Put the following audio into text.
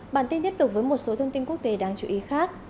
bản tin tiếp tục với một số thông tin quốc tế đáng chú ý khác